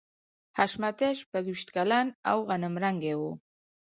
حشمتي شپږویشت کلن او غنم رنګی و